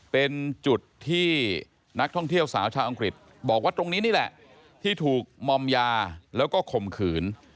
เป็นจุดที่นักท่องเที่ยวสาวชาวอังกฤษบอกว่าตรงนี้นี่แหละที่ถูกมอมยาแล้วก็ข่มขืน